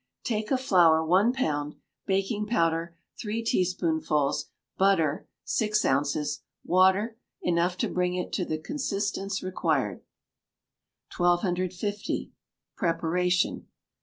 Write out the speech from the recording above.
Take of flour one pound; baking powder, three teaspoonfuls; butter, six ounces; water, enough to bring it to the consistence required. 1250. Preparation.